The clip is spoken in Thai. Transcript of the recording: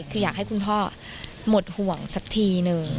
คืออยากให้คุณพ่อหมดห่วงสักทีหนึ่ง